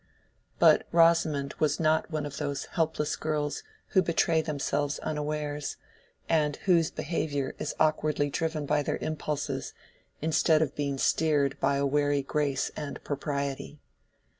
But Rosamond was not one of those helpless girls who betray themselves unawares, and whose behavior is awkwardly driven by their impulses, instead of being steered by wary grace and propriety.